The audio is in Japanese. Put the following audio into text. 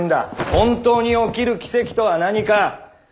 「本当に起きる奇跡」とは何か。